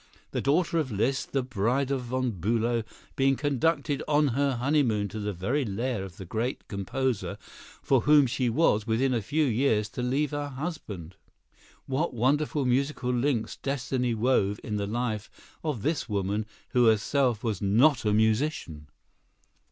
The daughter of Liszt, the bride of Von Bülow, being conducted on her honeymoon to the very lair of the great composer for whom she was, within a few years, to leave her husband! What wonderful musical links destiny wove in the life of this woman who herself was not a musician!